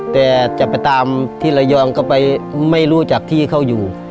แต่จะไปตามที่ระยองก็ไปไม่รู้จักที่เขาอยู่